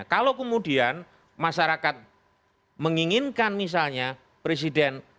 kalau kemudian masyarakat menginginkan misalnya presiden